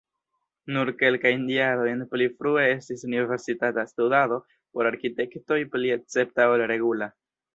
Nur kelkajn jarojn pli frue estis universitata studado por arkitektoj pli escepta ol regula.